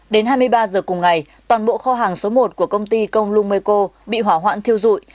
đến hai mươi ba h cùng ngày toàn bộ kho hàng số một của công ty công lung mê cô bị hỏa hoạn thiêu dụi